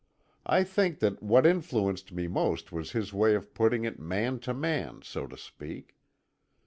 I think that what influenced me most was his way of putting it man to man, so to speak.